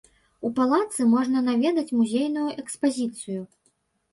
У палацы можна наведаць музейную экспазіцыю.